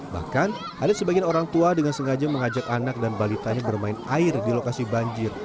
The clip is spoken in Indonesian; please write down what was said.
bahkan ada sebagian orang tua dengan sengaja mengajak anak dan balitanya bermain air di lokasi banjir